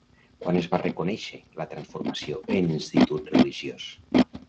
Quan es va reconèixer la transformació en institut religiós?